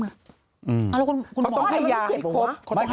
นี่ก็พออะไรอยากให้ก่อ